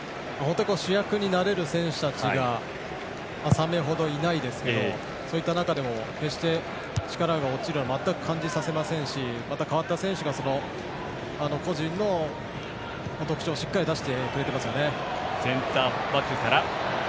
主役になれる選手たちが３名ほどいないですけどそういった中でも決して力が落ちるというのを全く感じさせませんしまた、代わった選手が個人の特徴をしっかり出してくれてますよね。